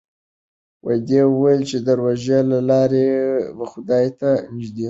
ده وویل چې د روژې له لارې خدای ته نژدې شوی.